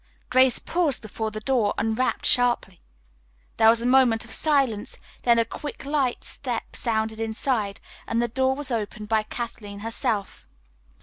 Grace paused before the door and rapped sharply. There was a moment of silence, then a quick, light step sounded inside and the door was opened by Kathleen herself.